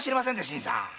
新さん。